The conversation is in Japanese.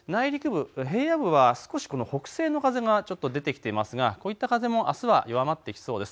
内陸部、平野部は少しこの北西の風がちょっと出てきてますがこういった風もあすは弱まってきそうです。